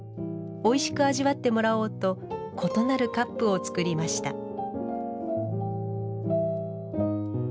おいしく味わってもらおうと異なるカップを作りました